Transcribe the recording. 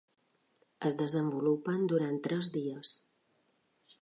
Es desenvolupen durant tres dies.